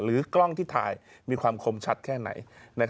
กล้องที่ถ่ายมีความคมชัดแค่ไหน